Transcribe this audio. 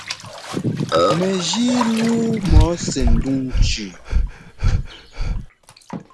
Mɛjíi lûu mɔ sɛndúŋ cʉ.